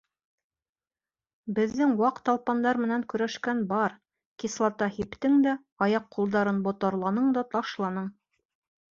Беҙҙең ваҡ талпандар менән көрәшкән бар: кислота һиптең дә, аяҡ-ҡулдарын ботарланың да ташланың.